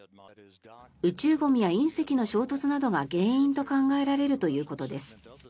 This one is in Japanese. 宇宙ゴミや隕石の衝突などが原因と考えられるということです。